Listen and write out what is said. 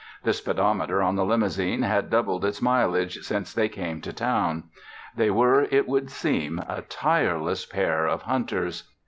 The speedometer on the limousine had doubled its mileage since they came to town. They were, it would seem, a tireless pair of hunters.